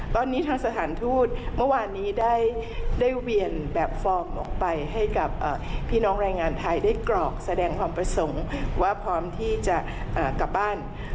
ตอนนี้ทางสถานทูตเมื่อวานนี้ได้เวียนแบบฟอร์มออกไปให้กับพี่น้องแรงงานไทยได้กรอกแสดงความประสงค์ว่าพร้อมที่จะกลับบ้าน